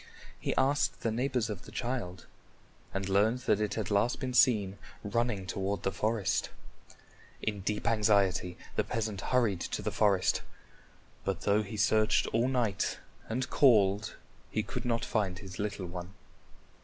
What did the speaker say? He asked the neighbors of the child and learned that it had last been seen running toward the forest. In deep anxiety, the peasant hurried to the forest, but though he searched all night and called, he could not find his little one.